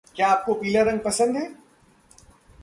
क्या आपको पीला रंग पसंद है?